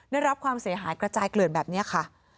ได้รับความเสียหายกระจายเกลื่อนแบบนี้ค่ะ